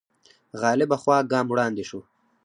غالبه خوا ګام وړاندې شو